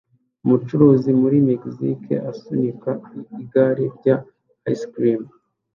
Umucuruzi muri Mexico asunika igare rya ice cream